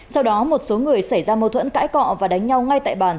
sau đó một số người xảy ra mâu thuẫn cãi cọ và đánh nhau ngay tại bàn